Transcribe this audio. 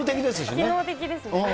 機能的ですね。